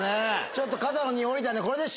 ちょっと肩の荷下りたねこれで。